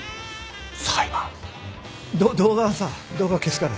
裁判ど動画はさ動画は消すからさ